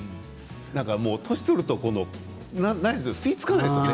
年を取ると吸いつかないですよね